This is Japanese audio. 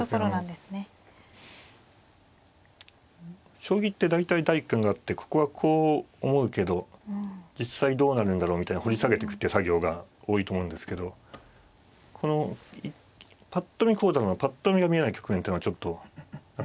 将棋って大体第一感があってここはこう思うけど実際どうなるんだろうみたいな掘り下げてくって作業が多いと思うんですけどこの「ぱっと見こうだ」のぱっと見が見えない局面ってのはちょっとなかなか大変ですよね。